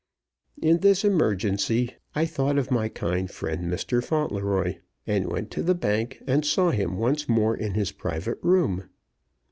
In this emergency, I thought of my kind friend, Mr. Fauntleroy, and went to the bank, and saw him once more in his private room.